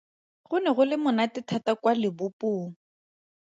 Go ne go le monate thata kwa lebopong.